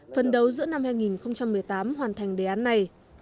phân đấu giữa năm hai nghìn một mươi tám hoàn thành đề án này